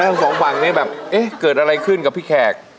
ทั้งสองฝั่งเนี่ยแบบเอ๊ะเกิดอะไรขึ้นกับพี่แขก